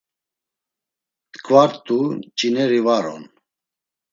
T̆ǩvart̆u nç̌ineri var on.